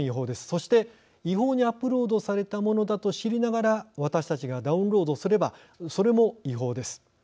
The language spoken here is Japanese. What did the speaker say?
そして違法にアップロードされたものだと知りながら私たちがダウンロードすればそれも違法です。